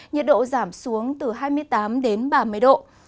nhiệt độ giảm xuống từ hai mươi tám đến ba mươi độ